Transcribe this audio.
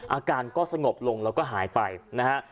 อาการก็สงบลงแล้วก็หายไปนะฮะ